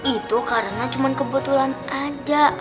itu karena cuma kebetulan ada